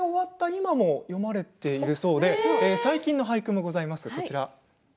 今も詠まれているそうで最近の俳句もございます。